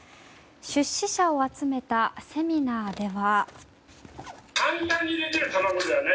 出資者を集めたセミナーでは。